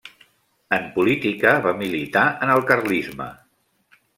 En política va militar en el carlisme.